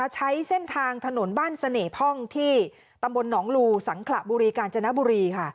ใช้เส้นทางถนนบ้านเสน่ห้องที่ตำบลหนองลูสังขระบุรีกาญจนบุรีค่ะ